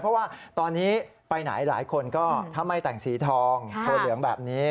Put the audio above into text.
เพราะว่าตอนนี้ไปไหนหลายคนก็ถ้าไม่แต่งสีทองตัวเหลืองแบบนี้